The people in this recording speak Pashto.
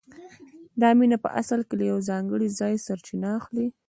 دا مینه په اصل کې له یو ځانګړي ځایه سرچینه اخلي